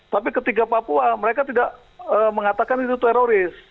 tapi ketika papua mereka tidak mengatakan itu teroris